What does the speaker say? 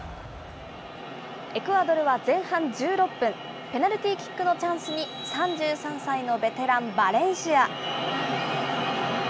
エクアドルは前半１６分、ペナルティキックのチャンスに３３歳のベテラン、バレンシア。